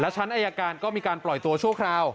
ชั้นอายการก็มีการปล่อยตัวชั่วคราว